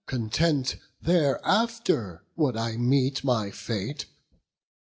Content, thereafter, would I meet my fate.